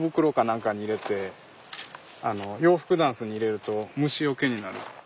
何かに入れて洋服ダンスに入れると虫よけになる。